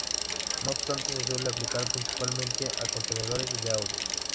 No obstante, se suele aplicar principalmente a contenedores de audio.